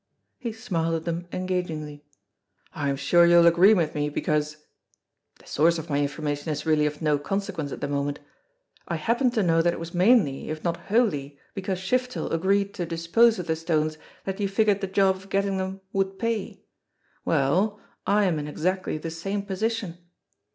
He smiled at them engagingly. "I'm sure you'll agree with me, because the source of my information is really of no consequence at the moment I happen to know that it was mainly, if not wholly, because Shiftel agreed to dispose of the stones that you figured the job of getting them would pay. Well, I am in exactly the same position."